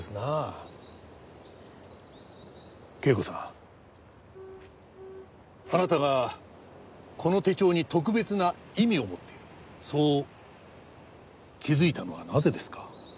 啓子さんあなたがこの手帳に特別な意味を持っているそう気づいたのはなぜですか？